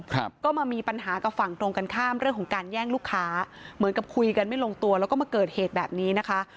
ครับก็มามีปัญหากับฝั่งตรงกันข้ามเรื่องของการแย่งลูกค้าเหมือนกับคุยกันไม่ลงตัวแล้วก็มาเกิดเหตุแบบนี้นะคะ